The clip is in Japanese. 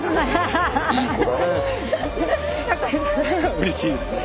うれしいですね。